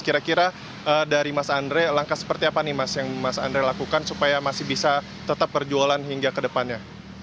kira kira dari mas andre langkah seperti apa nih mas yang mas andre lakukan supaya masih bisa tetap berjualan hingga ke depannya